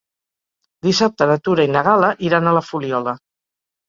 Dissabte na Tura i na Gal·la iran a la Fuliola.